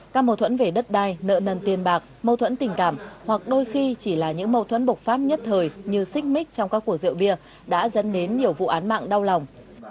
các mâu thuẫn về đất đai nợ nần tiền bạc mâu thuẫn tình cảm hoặc đôi khi chỉ là những mâu thuẫn bộc phát nhất thời như xích mít trong các cuộc rượu bia đã dẫn đến nhiều vụ án mạng đau lòng